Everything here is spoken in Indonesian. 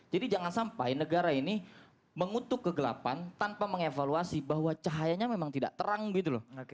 jadi jangan sampai negara ini mengutuk kegelapan tanpa mengevaluasi bahwa cahayanya memang tidak terang gitu loh